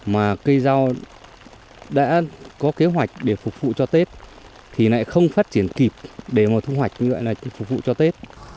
mà cây rau đã có kế hoạch để phục vụ cho tết thì lại không phát triển kịp để mà thu hoạch như vậy là phục vụ cho tết